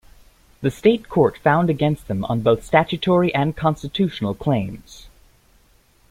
The state court found against them on both statutory and constitutional claims.